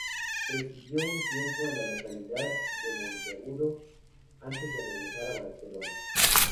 Residió un tiempo en la localidad de Monteagudo antes de regresar a Barcelona.